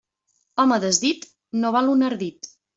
Home desdit no val un ardit.